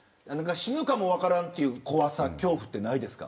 死ぬかも分からんっていう怖さ、恐怖ってないですか。